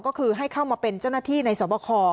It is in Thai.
ก็คือให้เข้ามาเป็นเจ้าหน้าที่ในสวบค